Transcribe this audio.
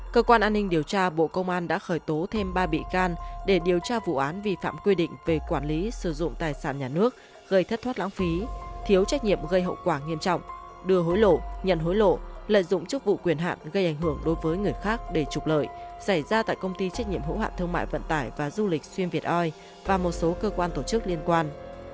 cơ quan an ninh điều tra bộ công an đã khởi tố thêm ba bị can để điều tra vụ án vi phạm quy định về quản lý sử dụng tài sản nhà nước gây thất thoát lãng phí thiếu trách nhiệm gây hậu quả nghiêm trọng đưa hối lộ nhận hối lộ lợi dụng chức vụ quyền hạn gây ảnh hưởng đối với người khác để trục lợi xảy ra tại công ty trách nhiệm hỗ hạn thương mại vận tải và du lịch xuyên việt oi và một số cơ quan tổ chức liên quan